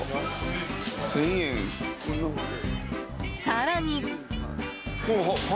更に。